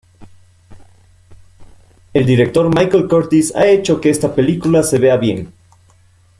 El director Michael Curtiz ha hecho que esta película se vea bien.